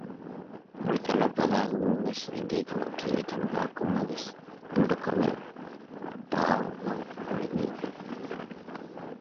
މުޅި ތަނަށް ބަލާލަުމުންވެސް އެނގޭ ކަމަކީ އެތަނުގައި ކޮންމެވެސް ބޮޑުކަމެއް ބާއްވަން އުޅެނީ ހެން